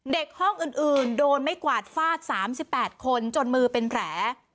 ห้องอื่นโดนไม่กวาดฟาด๓๘คนจนมือเป็นแผล